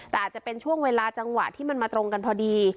แต่อาจจะเป็นช่วงเวลาจังหวะที่มันมาตรงกันพอดี